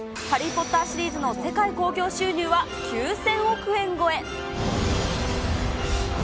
ハリー・ポッターシリーズの世界興行収入は９０００億円超え。